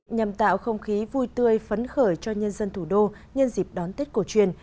nhằm tạo không khí vui tươi phấn khởi cho nhân dân thủ đô nhân dịp đón tết cổ truyền